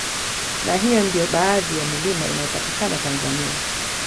Na hiyo ndiyo baadhi ya milima inayopatikana Tanzania